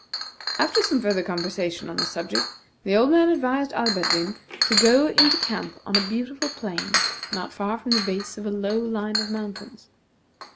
After some further conversation on the subject, the old man advised Alberdin to go into camp on a beautiful plain not far from the base of a low line of mountains.